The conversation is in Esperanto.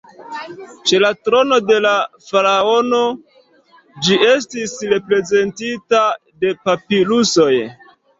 Ĉe la trono de la faraono ĝi estis reprezentita de papirusoj.